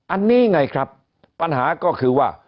อันนี้ไงครับปัญหาก็คือว่า